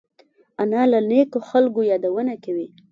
انا له نیکو خلقو یادونه کوي